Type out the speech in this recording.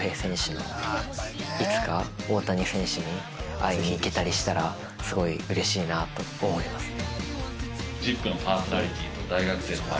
いつか大谷選手に会いに行けたりしたらすごいうれしいなと思いますね。